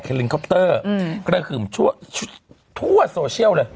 ลิงคอปเตอร์กระหึ่มทั่วโซเชียลเลย